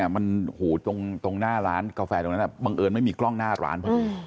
มันหูตรงหน้าร้านกาแฟตรงนั้นบังเอิญไม่มีกล้องหน้าร้านพอดี